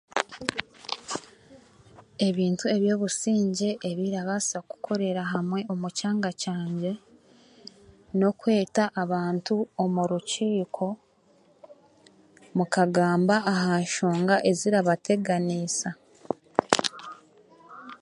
Ebintu eby'obusingye ebirabaasa kukorera hamwe omu kyanga kyangye n'okweta abantu omu rukiiko mukagamba aha nshonga ezirabateganiisa